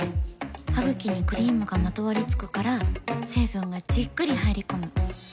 ハグキにクリームがまとわりつくから成分がじっくり入り込む。